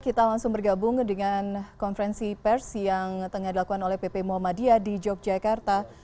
kita langsung bergabung dengan konferensi pers yang tengah dilakukan oleh pp muhammadiyah di yogyakarta